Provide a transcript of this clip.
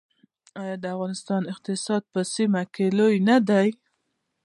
آیا د ایران اقتصاد په سیمه کې لوی نه دی؟